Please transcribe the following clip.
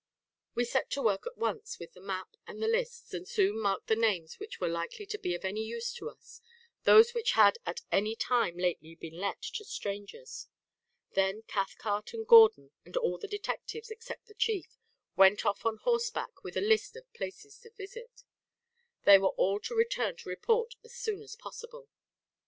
We set to work at once with the map and the lists; and soon marked the names which were likely to be of any use to us, those which had at any time lately been let to strangers. Then Cathcart and Gordon and all the detectives, except the chief, went off on horseback with a list of places to visit. They were all to return to report as soon as possible.